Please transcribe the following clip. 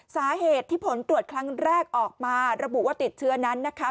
สาเหตุที่ผลตรวจครั้งแรกออกมาระบุว่าติดเชื้อนั้นนะคะ